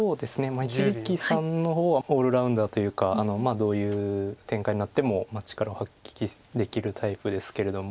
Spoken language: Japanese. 一力さんの方はオールラウンダーというかどういう展開になっても力を発揮できるタイプですけれども。